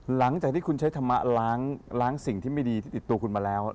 หลังจากที่คุณใช้ธรรมะล้างสิ่งที่ไม่ดีที่ติดตัวคุณมาแล้ว